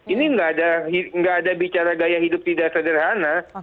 ini nggak ada bicara gaya hidup tidak sederhana